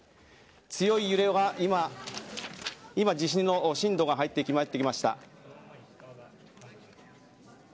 強い揺れは今地震の震度が入ってきました。